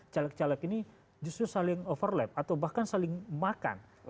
caleg caleg ini justru saling overlap atau bahkan saling makan